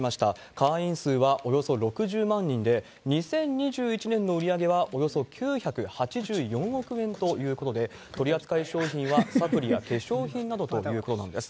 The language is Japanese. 会員数はおよそ６０万人で、２０２１年の売り上げはおよそ９８４億円ということで、取り扱い商品はサプリや化粧品などということなんです。